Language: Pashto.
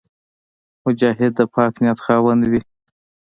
مجاهد د پاک نیت خاوند وي.